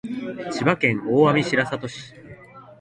千葉県大網白里市